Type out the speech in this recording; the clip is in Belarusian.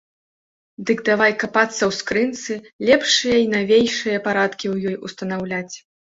Дык давай капацца ў скрынцы, лепшыя й навейшыя парадкі ў ёй устанаўляць.